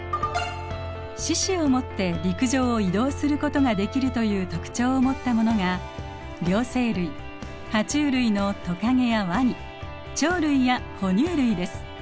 四肢をもって陸上を移動することができるという特徴をもったものが両生類ハチュウ類のトカゲやワニ鳥類や哺乳類です。